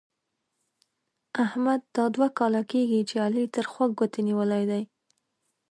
احمد دا دوه کاله کېږي چې علي تر خوږ ګوتې نيولې دی.